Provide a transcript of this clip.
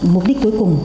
mục đích cuối cùng